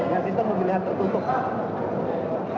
yang sistem pilihan tertutup